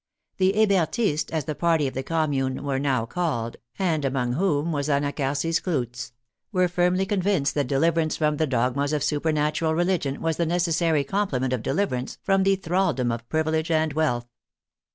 The Hebertists, as the party of the Com mune were now called, and among whom was Anacharsis Clootz, were firmly convinced that deliverance from the dogmas of supernatural religion was the necessary com plement of deliverance from the thraldom of privilege and wealth.